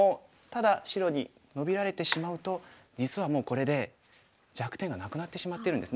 ただ白にノビられてしまうと実はもうこれで弱点がなくなってしまってるんですね。